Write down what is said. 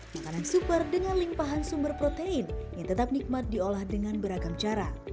makanan super dengan limpahan sumber protein yang tetap nikmat diolah dengan beragam cara